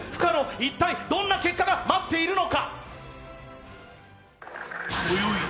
一体どんな結果が待っているのか？